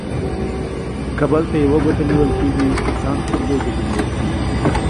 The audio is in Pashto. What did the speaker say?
که بل ته يوه گوته نيول کېږي ، ځان ته څلور گوتي نيول کېږي.